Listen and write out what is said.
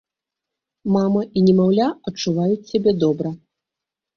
Мама і немаўля адчуваюць сябе добра.